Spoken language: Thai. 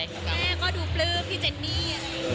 แม่ก็ดูปลื้มพี่เจนนี่